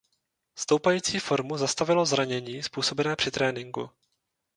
Stoupající formu zastavilo zranění způsobené při tréninku.